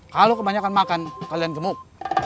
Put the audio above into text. kalau kebanyakan makan kalian gemuk